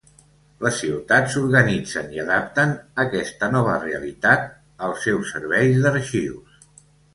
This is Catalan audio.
Les ciutats s'organitzen i adapten aquesta nova realitat als seus serveis d'arxius.